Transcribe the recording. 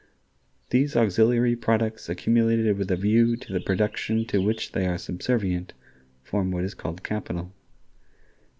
"These auxiliary products accumulated with a view to the production to which they are subservient" form what is called capital.